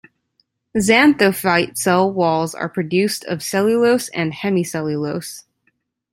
Xanthophyte cell walls are produced of cellulose and hemicellulose.